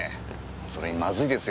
それにまずいですよ。